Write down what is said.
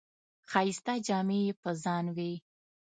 ښایسته جامې یې په ځان وې.